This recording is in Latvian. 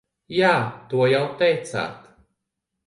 Jā, to jau teicāt.